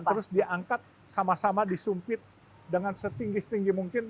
terus diangkat sama sama disumpit dengan setinggi setinggi mungkin